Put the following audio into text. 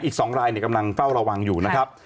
อีก๒รายกำลังเฝ้าระวังอยู่นะครับ